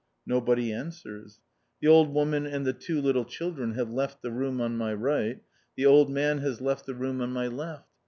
Nobody answers. The old woman and the two little children have left the room on my right, the old man has left the room on my left.